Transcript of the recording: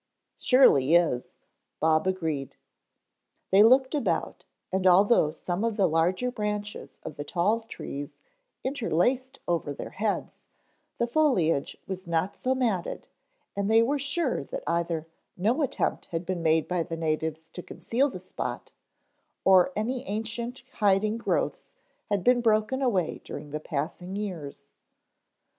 "Surely is," Bob agreed. They looked about and although some of the larger branches of the tall trees interlaced over their heads, the foliage was not so matted and they were sure that either no attempt had been made by the natives to conceal the spot, or any ancient hiding growths had been broken away during the passing years.